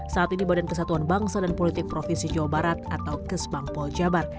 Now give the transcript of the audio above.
saat ini badan kesatuan bangsa dan politik provinsi jawa barat atau kes bank poljabar